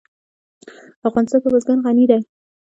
افغانستان په بزګان غني دی.